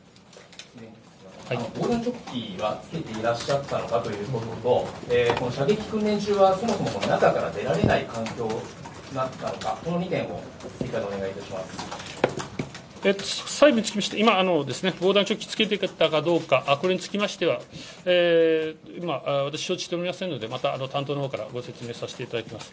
防弾チョッキは着けていらっしゃったのかということと、この射撃訓練中は、そもそも中から出られない環境だったのか、細部につきまして、今、防弾チョッキを着けていたかどうか、これにつきましては、今、私、承知しておりませんので、また担当のほうからご説明させていただきます。